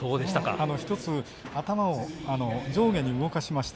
１つ頭を上下に動かしました。